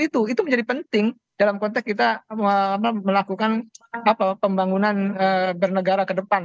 itu menjadi penting dalam konteks kita melakukan pembangunan bernegara ke depan